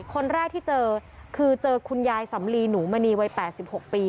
คนแรกที่เจอคือเจอคุณยายสำลีหนูมณีวัย๘๖ปี